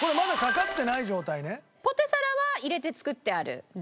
ポテサラは入れて作ってある？です。